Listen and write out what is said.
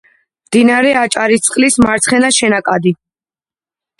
მდინარე აჭარისწყლის მარცხენა შენაკადი.